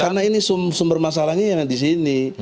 karena ini sumber masalahnya yang ada disini